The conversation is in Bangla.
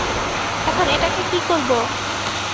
এখন এটাকে কী করব?